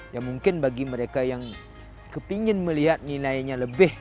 ya mungkin bagi mereka yang kepingin melihat nilainya lebih ya mungkin mereka berhasil mencari ikan yang lebih besar